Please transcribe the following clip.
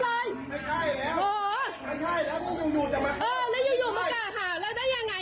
เฮ่ยเล่นยังไปได้ยังไง